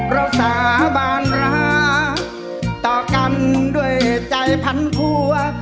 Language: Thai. เราสาบานรักต่อกันด้วยใจพันธุวะ